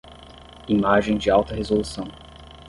Imagem de alta resolução.